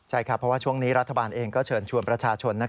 ใช่ครับเพราะว่าช่วงนี้รัฐบาลเองก็เชิญชวนประชาชน